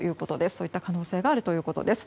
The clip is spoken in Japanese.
そういった可能性があるということです。